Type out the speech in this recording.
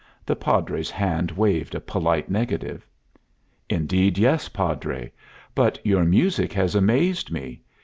The Padre's hand waved a polite negative. "Indeed, yes, Padre. But your music has amazed me.